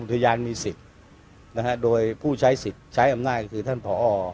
มีการที่จะพยายามติดศิลป์บ่นเจ้าพระงานนะครับ